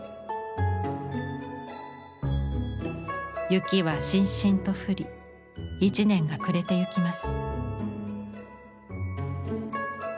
雪はしんしんと降り一年が暮れてゆきます。